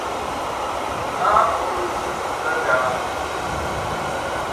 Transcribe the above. Ɓa ol tit la ngaa.